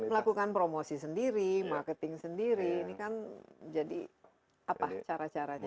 melakukan promosi sendiri marketing sendiri ini kan jadi apa cara caranya